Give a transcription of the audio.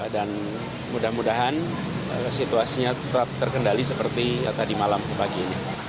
dan mudah mudahan situasinya tetap terkendali seperti tadi malam pagi ini